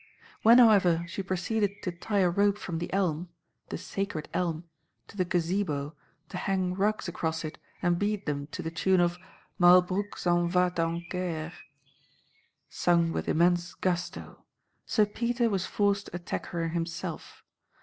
When, however, she proceeded to tie a rope from the elm—the sacred Elm— to the Gazebo, to hang rugs across it and beat them to the tune of "Malbroucq s'en va t en guerre" sung with immense gusto, Sir Peter was forced to attack her himself.